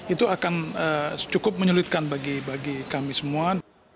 itu akan cukup menyulitkan bagi kami semua